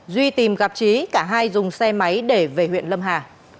duy tìm gặp trí cả hai dùng xe máy để về huyện lâm hà